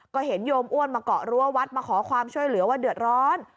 ก็เห็นโยมอ้วนมาเกาะรั้ววัดมาขอความช่วยเหลือว่าเดือดร้อน